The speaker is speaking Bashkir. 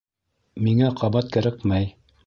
Миңә ҡабат кәрәкмәй.